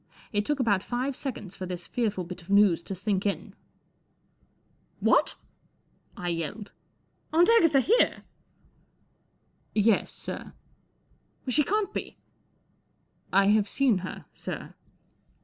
It took about five seconds for this fearful bit of news to sink in. 44 What !" I yelled. " Aunt Agatha here ?" 44 Yes, sir." 44 She can't be." 44 I have seen her, sir."